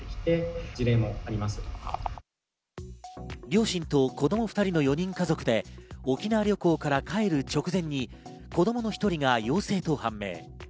両親と子供２人の４人家族で沖縄旅行から帰る直前に子供の１人が陽性と判明。